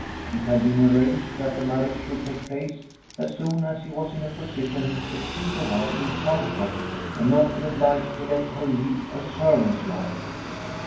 It had been arranged that the marriage should take place as soon as he was in a position to keep a wife in comfort and not be obliged to let her lead a servant's life.